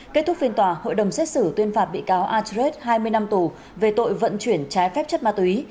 kết thúc phiên tòa hội đồng xét xử tuyên phạt bị cáo atreet hai mươi năm tù về tội vận chuyển trái phép chất ma túy